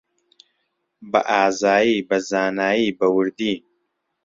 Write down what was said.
بەئازایی، بەزانایی، بەوردی